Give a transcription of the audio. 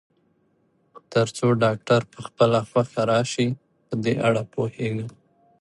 تر څو ډاکټر په خپله خوښه راشي، په دې اړه پوهېږم.